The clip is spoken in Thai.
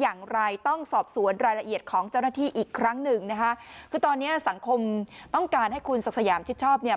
อย่างไรต้องสอบสวนรายละเอียดของเจ้าหน้าที่อีกครั้งหนึ่งนะคะคือตอนเนี้ยสังคมต้องการให้คุณศักดิ์สยามชิดชอบเนี่ย